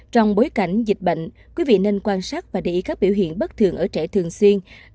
trong bối cảnh dịch bệnh quý vị nên quan sát và để ý các biểu hiện bất thường ở trẻ thường xuyên